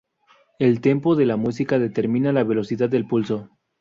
El "tempo" de la música determina la velocidad del pulso.